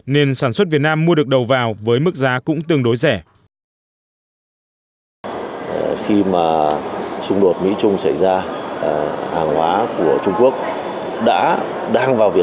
nên sản xuất việt nam mua được đầu vào với mức giá cũng tương đối rẻ